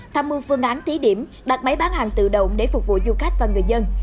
tham mưu phương án thí điểm đặt máy bán hàng tự động để phục vụ du khách và người dân